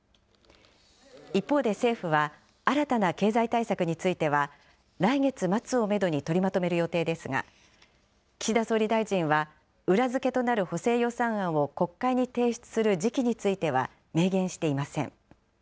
一方で政府は、新たな経済対策については、来月末をメドに取りまとめる予定ですが、岸田総理大臣は、裏付けとなる補正予算案を国会に提出する時期については、明言していません。